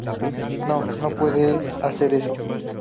No, no puedes hacer eso.